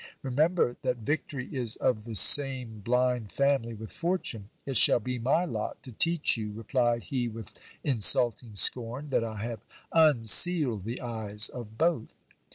Remember, that victory is of the same blind family with fortune. It shall be my lot to teach you, replied he with insulting scorn, that I have unsealed the eyes of both.